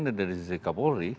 dan dari sisi kapolri